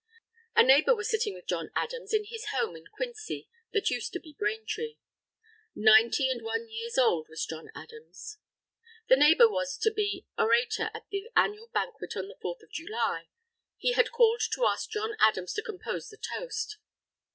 A neighbour was sitting with John Adams in his home in Quincy that used to be Braintree. Ninety and one years old was John Adams! The neighbour was to be orator at the annual banquet on the Fourth of July. He had called to ask John Adams to compose the toast.